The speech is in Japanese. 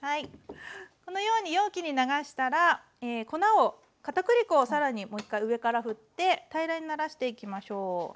このように容器に流したらかたくり粉を更にもう一回上からふって平らにならしていきましょう。